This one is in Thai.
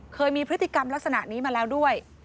เคยมีพฤติกรรมลักษณะนี้มาแล้วด้วย